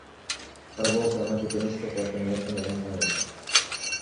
তারা বলছে, ও নাকি টেনিসকোর্টে একটা মেয়ের সামনে ল্যাংটা হয়েছে।